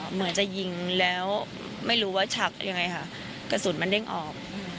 เหมือนจะยิงแล้วไม่รู้ว่าชักยังไงค่ะกระสุนมันเด้งออก